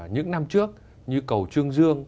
những năm trước như cầu trương dương